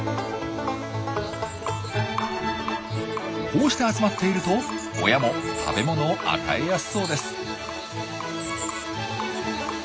こうして集まっていると親も食べ物を与えやすそうです。